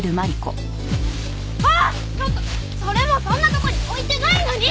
それもそんなところに置いてないのに！